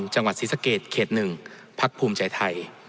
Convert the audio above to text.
จังหวัดศรีสะเกดเขต๑พักภูมิใจไทย